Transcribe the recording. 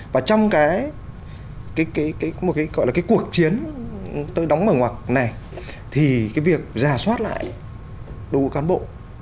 và trong cái cuộc chiến tôi đóng mở ngoặc này thì cái việc giả soát lại đối với cán bộ